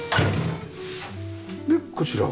でこちらは？